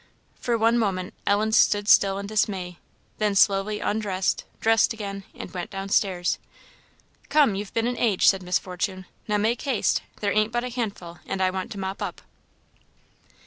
For one moment Ellen stood still in dismay; then slowly undressed, dressed again, and went down stairs. "Come! you've been an age," said Miss Fortune; "now make haste; there ain't but a handful; and I want to mop up."